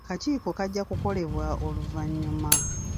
Akakiiko kajja kukolebwa oluvannyuma.